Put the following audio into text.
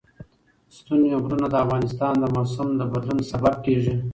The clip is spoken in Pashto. ستوني غرونه د افغانستان د موسم د بدلون سبب کېږي.